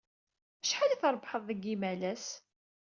Acḥal ay trebbḥed deg yimalas?